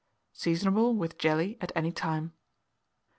Seasonable, with jelly, at any time.